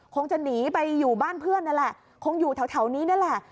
คงจะหนีไปอยู่บ้านเพื่อนนั่นแหละคงอยู่แถวนี้นี่แหละ